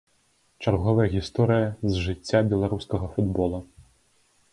Чарговая гісторыя з жыцця беларускага футбола.